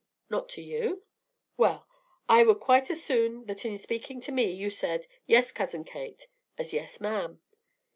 "Not to you?" "Well, I would quite as soon that in speaking to me you said, 'Yes, Cousin Kate,' as 'Yes, ma'am.'